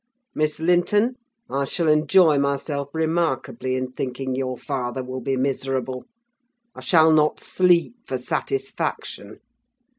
Miss Linton, I shall enjoy myself remarkably in thinking your father will be miserable: I shall not sleep for satisfaction.